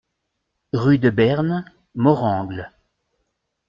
Rue de Bernes, Morangles